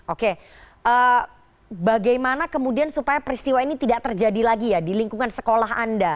oke bagaimana kemudian supaya peristiwa ini tidak terjadi lagi ya di lingkungan sekolah anda